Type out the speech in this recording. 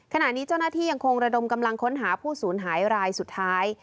ขณะนี้เจ้าหน้าที่ยังคงระดมกำลังค้นหาผู้สูญหายรายสุดท้าย